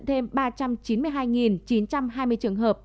thêm ba trăm chín mươi hai chín trăm hai mươi trường hợp